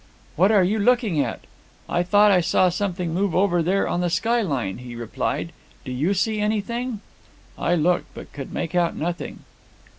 'What are you looking at?' 'I thought I saw something move over there on the skyline,' he replied; 'do you see anything?' I looked, but could make out nothing.